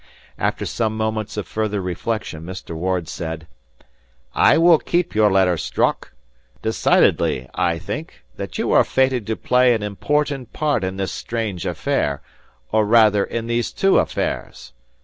After some moments of further reflection, Mr. Ward said, "I will keep your letter, Strock. Decidedly, I think, that you are fated to play an important part in this strange affair or rather in these two affairs.